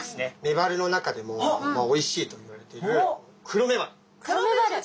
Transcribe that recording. メバルの中でもおいしいといわれているクロメバル！